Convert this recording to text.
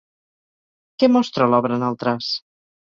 Què mostra l'obra en el traç?